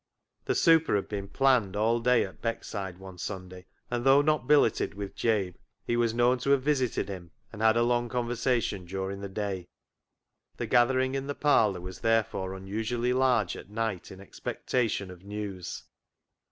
The " super " had been " planned " all day at Beckside one Sunday, and though not billeted with Jabe, he was known to have visited him and had a long conversation during the day. The gathering in the parlour was therefore unusually large at night in expectation of news.